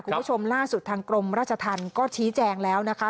คุณผู้ชมล่าสุดทางกรมราชธรรมก็ชี้แจงแล้วนะคะ